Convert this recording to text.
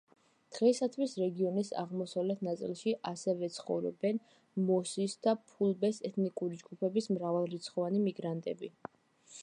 დღეისათვის რეგიონის აღმოსავლეთ ნაწილში ასევე ცხოვრობენ მოსის და ფულბეს ეთნიკური ჯგუფების მრავალრიცხოვანი მიგრანტები.